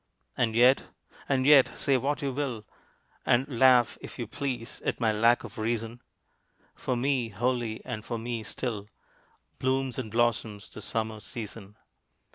And yet, and yet, say what you will, And laugh, if you please, at my lack of reason, For me wholly, and for me still, Blooms and blossoms the Summer season.